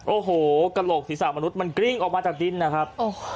โอ้โหกระโหลกศีรษะมนุษย์มันกริ้งออกมาจากดินนะครับ